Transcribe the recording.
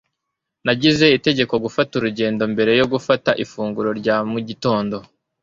Nagize itegeko gufata urugendo mbere yo gufata ifunguro rya mu gitondo